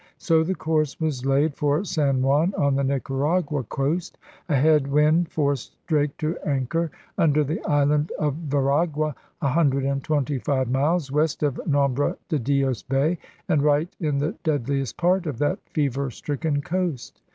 ' So the course was laid for San Juan on the Nicaragua coast. A head wind forced Drake to anchor under the island of Veragua, a hundred and twenty five miles west of Nombre de Dios Bay and right in the deadliest part of that fever stricken coast.